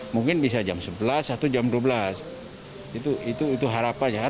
mungkin bisa jam sebelas atau jam dua belas itu harapan ya